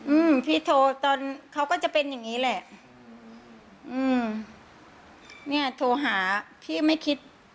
อืมพี่โทรตอนเขาก็จะเป็นอย่างงี้แหละอืมเนี้ยโทรหาพี่ไม่คิด